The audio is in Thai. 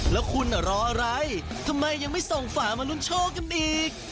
แล้วคุณรออะไรทำไมยังไม่ส่งฝามาลุ้นโชคกันอีก